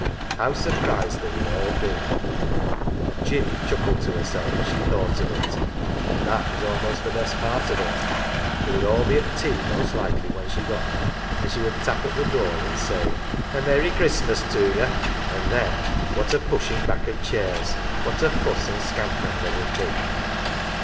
How surprised they would all be ! Jinny chuckled to herself as she thought of it. That was almost the best part of it. They would all be at tea most likely when she got there, and she would 159 AUNT JINNY tap at the door and say, "A Merry Christmas to you !" and then what a pushing back of chairs, what a fuss and scampering there would be